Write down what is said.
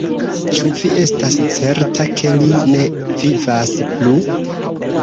Ĉu vi estas certa, ke li ne vivas plu?